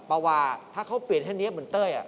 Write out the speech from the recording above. ปาวาถ้าเขาเปลี่ยนให้เนี๊ยบเหมือนเต้ยอะ